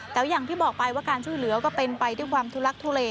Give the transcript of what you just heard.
แต่อย่างที่บอกไปว่าการช่วยเหลือก็เป็นไปด้วยความทุลักทุเล